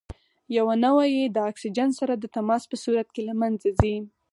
یوه نوعه یې د اکسیجن سره د تماس په صورت کې له منځه ځي.